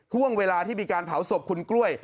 ห่วงเวลาที่มีการเผาศพคุณกล้วย